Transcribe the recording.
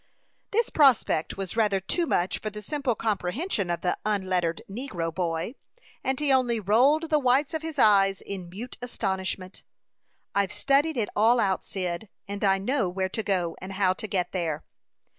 This prospect was rather too much for the simple comprehension of the unlettered negro boy, and he only rolled the whites of his eyes in mute astonishment. "I've studied it all out, Cyd, and I know where to go, and how to get there."